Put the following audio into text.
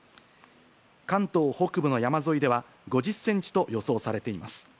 関東北部の山沿いでは５０センチと予想されています。